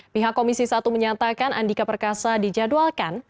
pihak komisi satu menyatakan andika perkasa dijadwalkan